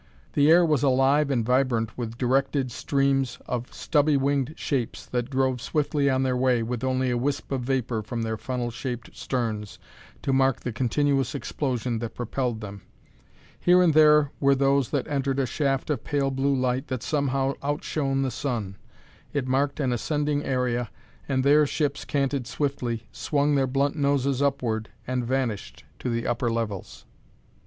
The air was alive and vibrant with directed streams of stubby winged shapes that drove swiftly on their way, with only a wisp of vapor from their funnel shaped sterns to mark the continuous explosion that propelled them. Here and there were those that entered a shaft of pale blue light that somehow outshone the sun. It marked an ascending area, and there ships canted swiftly, swung their blunt noses upward, and vanished, to the upper levels.